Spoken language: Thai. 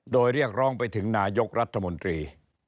โดยเรียกร้องไปถึงนายกรัฐมนตรี